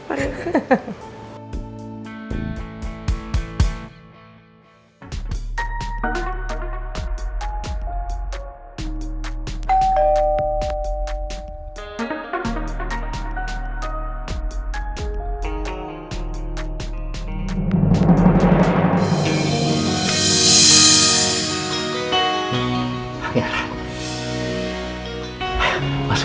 akhirnya ach photo